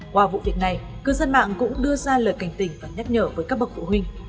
qua vụ việc này cư dân mạng cũng đưa ra lời cảnh tỉnh và nhắc nhở với các bậc phụ huynh